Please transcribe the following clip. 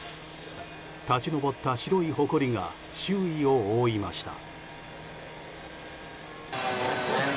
立ち上った白いほこりが周囲を覆いました。